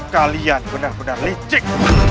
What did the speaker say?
kalian benar benar licik